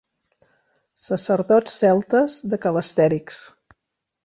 Sacerdots celtes de ca l'Astèrix.